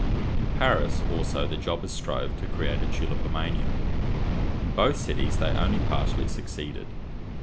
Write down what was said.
In Paris also the jobbers strove to create a tulipomania. In both cities they only partially succeeded.